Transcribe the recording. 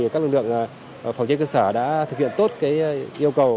các lực lượng phòng cháy cơ sở đã thực hiện tốt yêu cầu